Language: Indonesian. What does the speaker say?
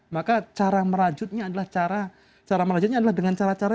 maka cara merajutnya adalah dengan cara cara